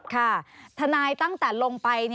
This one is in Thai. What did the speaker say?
ค่ะทนายตั้งแต่ลงไป